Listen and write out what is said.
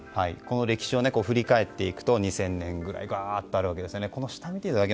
歴史を振り返っていくと２０００年くらいあるわけですね。